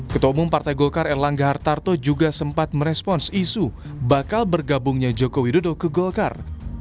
ketua umum partai golkar erlangga hartarto juga sempat merespons isu bakal bergabungnya joko widodo ke golkar